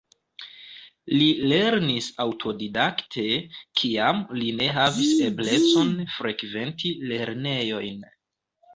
Li lernis aŭtodidakte, kiam li ne havis eblecon frekventi lernejojn.